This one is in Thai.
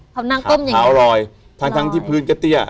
เขานั่งต้มอย่างนี้เขาลอยทั้งทั้งที่พื้นก็เตี้ย